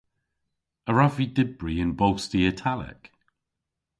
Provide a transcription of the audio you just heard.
A wrav vy dybri yn bosti Italek?